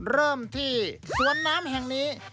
เริ่มที่สวนน้ำแห่งนี้